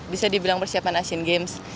bisa dibilang persiapan asian games